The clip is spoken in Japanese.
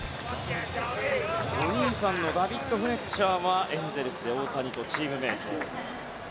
お兄さんのダビッド・フレッチャーはエンゼルスで大谷とチームメート。